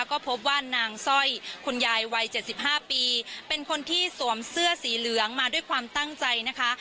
ก็พบว่านางสร้อยคุณยายวัย๗๕ปีเป็นคนที่สวมเสื้อสีเหลืองมาด้วยความตั้งใจนะคะ